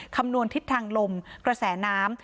คำนวณทิศทางลมกระแสน้ำ